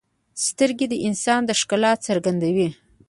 سترګې د انسان ښکلا څرګندوي